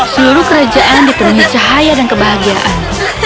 seluruh kerajaan dipenuhi cahaya dan kebahagiaan